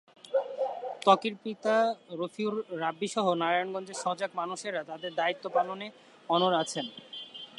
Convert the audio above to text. ত্বকীর পিতা রফিউর রাব্বিসহ নারায়ণগঞ্জের সজাগ মানুষেরা তাঁদের দায়িত্ব পালনে অনড় আছেন।